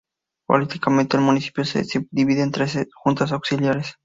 Políticamente, el municipio se subdivide en trece juntas auxiliares.